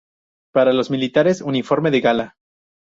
Para los militares, uniforme de gala.